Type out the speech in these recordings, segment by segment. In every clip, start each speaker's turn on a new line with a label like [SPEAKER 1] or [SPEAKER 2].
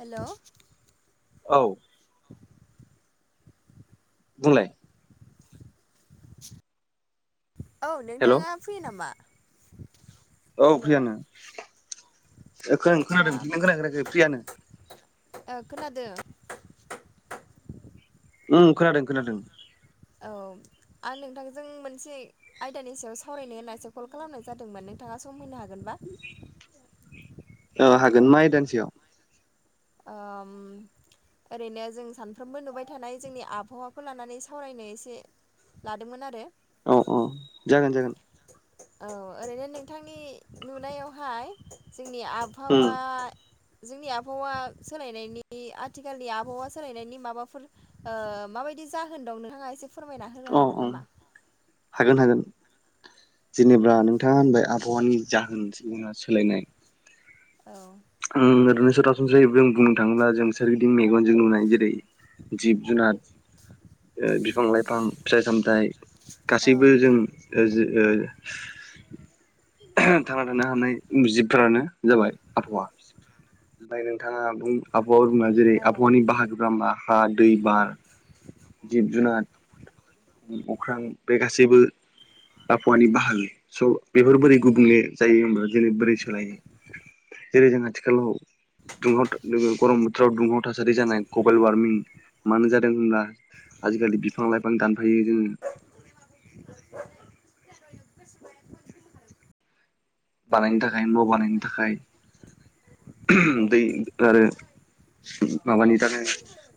[SPEAKER 1] हेल'
[SPEAKER 2] औ बुंलाय
[SPEAKER 1] औ
[SPEAKER 2] हेल'
[SPEAKER 1] नोंथाङा फ्रि नामा?
[SPEAKER 2] औ
[SPEAKER 1] हेल'
[SPEAKER 2] फ्रियानो खोनादों फ्रिनो खोनाखेराखै फ्रियानो
[SPEAKER 1] औ खोनादों।
[SPEAKER 2] उम खोनादों खोनादों।
[SPEAKER 1] औ आरो नोंथांजों मोनसे आयदानि सायाव सावरायनो होन्नासो कल खालामनाय जादोंमोन नोंथाङा सम होनो हागोनबा?
[SPEAKER 2] हागोन मा दानसेयाव
[SPEAKER 1] ओ ओरैनो जों सानफ्रोमबो नुबाय थानाय जोंनि आबहावाखौ लानानै सावरायनो एसे लादोंमोन आरो
[SPEAKER 2] औ औ जागोन जागोन
[SPEAKER 1] औ ओरैनो नोंथांनि नुनायावहाय जोंनि
[SPEAKER 2] उम
[SPEAKER 1] आबहावा जोंनि आबहावा सोलायनायनि आथिखालनि आबहावा सोलायनायनि माबाफोर ओ माबायदि जाहोन दं नोंथाङा एसे फोरमायना हो
[SPEAKER 2] अ अ हागोन हागोन जेनेबा नोंथाङा होनबाय आबहावानि जाहोन जोंहा सोलायनाय
[SPEAKER 1] औ
[SPEAKER 2] उम ओरैनो सोरासनस्रायै जों बुंनो थाङोब्ला जों सोरगिदिं मेगन जों नुनाय जेरै जिब जुनार ओ बिफां लाइफां फिथाइ सामथाइ
[SPEAKER 1] औ
[SPEAKER 2] गासैबो जों ओ जि ओ थांना थानो हानाय जिबफोरानो जाबाय आबहावा ओमफ्राय नोंथाङा बुं आबहावा बुंबा जेरै
[SPEAKER 1] औ
[SPEAKER 2] आबहावानि बाहागोफोरा मा हा दै बार जिब जुनार अख्रां बे गासैबो आबहावानि
[SPEAKER 1] उम
[SPEAKER 2] बाहागो स' बेफोर बोरै गुबुंले जायो होनबा जेरै बोरै सोलायो जेरै जों आथिखालाव दुंहाव गरम बोथोर थोराव दुंहाव थासारि जानाय ग्लबेल वारमिं मानो जादों होनब्ला आजिखालि बिफां लाइफां दानफायो जोङो
[SPEAKER 1] [unintelligible]
[SPEAKER 2] बानायनो थाखाय न' बानायनो थाखाय
[SPEAKER 1] [inaudible] उम
[SPEAKER 2] दै आरो माबानि थाखाय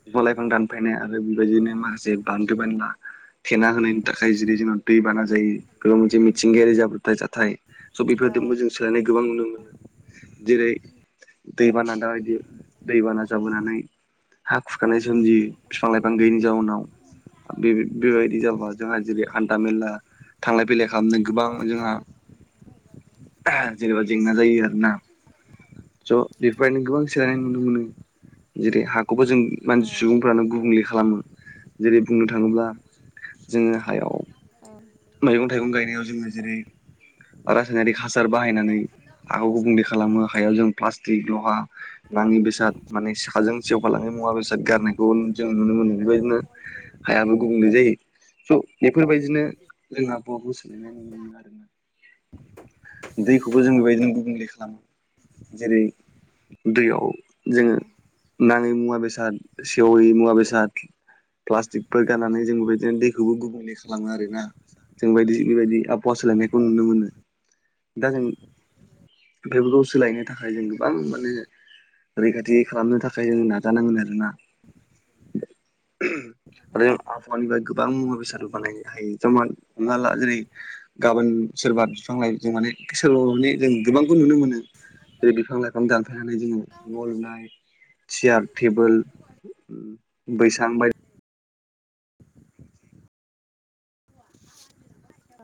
[SPEAKER 2] बिफां लाइफां दानफायनाय आरो बेबायदिनो माखासे बान्दो बानला थेना होनायनि थाखाय जेरै जोंनाव दैबाना जायो बेफोर मोनसे मिथिंगायारि जाब्रबथाय जाथाय स'
[SPEAKER 1] औ
[SPEAKER 2] बेफोरजोंबो जों सोलायनाय गोबां नुनो मोनो जेरै दैबाना दाबायदि दैबाना जाबोनानै हा खुरखानाय सोमजियो बिफां लाइफां गैयैनि जाउनाव बे बेबायदि जाबाय जोंहा जेरै हान्था मेला थांलाय फैलाय खालामनो गोबां
[SPEAKER 1] औ
[SPEAKER 2] जोंहा जेनेबा जेंना जायो आरोना ज' बेफोरबायदिनो गोबां सोलायनाय नुनो मोनो जेरै हाखौबो जों मानसि
[SPEAKER 1] औ
[SPEAKER 2] सुबुंफ्रानो गुबुंले खालामो जेरै बुंनो थाङोब्ला जोङो हायाव मैगं थाइगं गायनायाव जोङो जेरै रासायनारिक हासार बाहायनानै हाखौ गुबुंले खालामो हायाव जों प्लास्टिक लहा नाङि बेसाद माने साजों सेवफालाङि मुवा बेसाद गारनायखौ जों नुनो मोनो बेबायदिनो हायाबो गुबुंले जायो स' बेफोरबायदिनो जोंहा आबहावाबो सोलायनाय नुनो
[SPEAKER 1] दा
[SPEAKER 2] मोनो आरोना दैखौबो जों बेबायदिनो गुबुंले खालामो जेरै दैयाव जोङो नाङै मुवा बेसाद सेवै मुवा बेसाद प्लास्टिकफोर गारनानै जों बेबायदिनो दैखौबो गुबुंले खालामो आरोना जों बायदि बेबायदि आबहावा सोलायनायखौ नुनो मोनो दा जों फायबो गाव सोलायनो थाखाय जों गोबां माने रैखाथि खालामनो थाखाय जों
[SPEAKER 1] औ
[SPEAKER 2] नाजानांगोन आरोना
[SPEAKER 1] [inaudible]
[SPEAKER 2] [unintelligible] आरो जों आबहावानिफ्राय गोबां मुवा बेसाद बानायनो हायो [unintelligible] हमना ला जेरै गाबोन सोरबा बिफां लाइ जों माने सोर'बा माने जों गोबांखौ नुनो मोनो जेरै बिफां- लाइफां दानफायनानै जोङो न' लुनाय सियार टेबोल बै-बैसां बायदि
[SPEAKER 1] [inaudible] औ